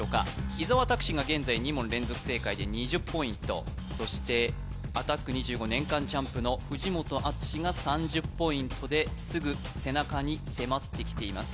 伊沢拓司が現在２問連続正解で２０ポイントそして「アタック２５」年間チャンプの藤本篤嗣が３０ポイントですぐ背中に迫ってきています